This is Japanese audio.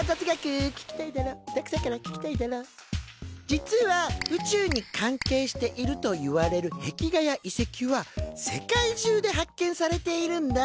実は宇宙に関係しているといわれる壁画や遺せきは世界中で発見されているんだ。